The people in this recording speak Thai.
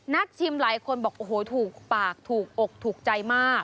ชิมหลายคนบอกโอ้โหถูกปากถูกอกถูกใจมาก